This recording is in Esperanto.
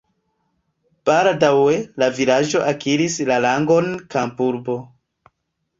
Baldaŭe la vilaĝo akiris la rangon kampurbo.